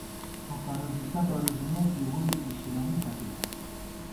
خو پروزِݪہ پروزِمېت زی ، ووئی اِشِلَمی ہَپِمان